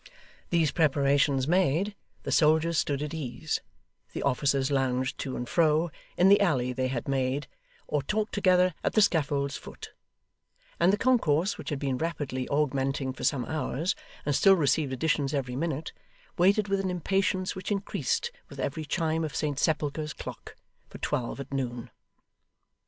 These preparations made, the soldiers stood at ease; the officers lounged to and fro, in the alley they had made, or talked together at the scaffold's foot; and the concourse, which had been rapidly augmenting for some hours, and still received additions every minute, waited with an impatience which increased with every chime of St Sepulchre's clock, for twelve at noon.